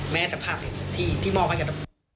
แม้แต่ภาพนี้ที่ที่มองให้มัน